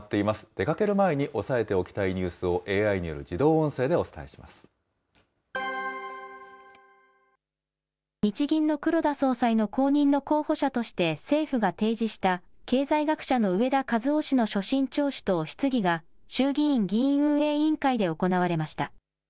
出かける前に押さえておきたいニュースをＡＩによる自動音声でお日銀の黒田総裁の後任の候補者として政府が提示した、経済学者の植田和男氏の所信聴取と質疑が、衆議院議院運営委員会で行われました。